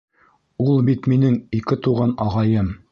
Ул бит минең ике туған ағайым.